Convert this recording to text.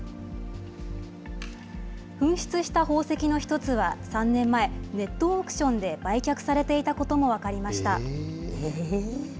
紛失した宝石の１つは３年前、ネットオークションで売却されていたことも分かりました。